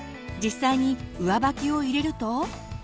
実際に上履きを入れると。